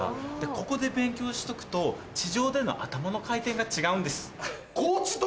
ここで勉強しとくと地上での頭の回転が違うんです。